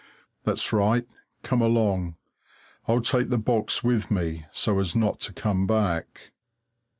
That's right, come along! I'll take the box with me, so as not to come back.